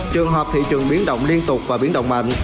trường hợp thị trường biến động liên tục và biến động mạnh